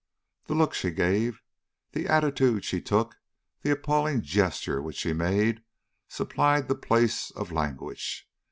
The look she gave, the attitude she took, the appalling gesture which she made, supplied the place of language.